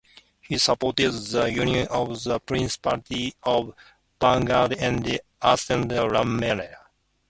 He supported the Union of the Principality of Bulgaria and Eastern Rumelia.